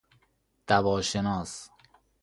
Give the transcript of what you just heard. دوا شناس